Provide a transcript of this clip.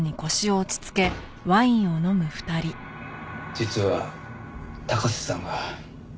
実は高瀬さんが。